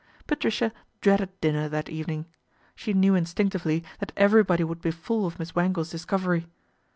Patricia dreaded dinner that evening. She tew instinctively that everybody would be full >f Miss Wangle's discovery.